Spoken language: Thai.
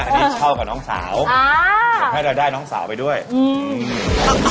อันนี้เข้ากับน้องสาวอ่าทำให้เราได้น้องสาวไปด้วยอืม